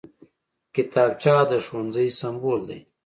کتابچه د ښوونځي سمبول دی